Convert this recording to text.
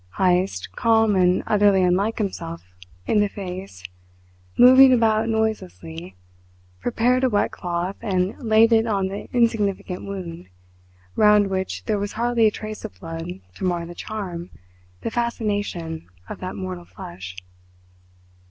Heyst, calm and utterly unlike himself in the face, moving about noiselessly, prepared a wet cloth, and laid it on the insignificant wound, round which there was hardly a trace of blood to mar the charm, the fascination, of that mortal flesh.